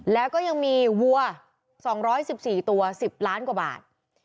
แล้วก็ยังมีวัว๒๑๔ตัว๑๐ล้านกว่าบาท